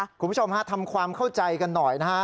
คุณผู้ชมฮะทำความเข้าใจกันหน่อยนะฮะ